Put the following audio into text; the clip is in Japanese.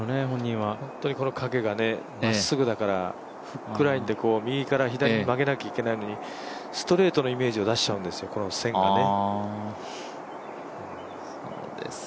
本当にこの陰がまっすぐだからフックラインで右から曲げないといけないのに、ストレートのイメージを出しちゃうんですよ、この線がね。